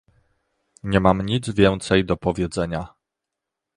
Nie mam nic więcej do powiedzenia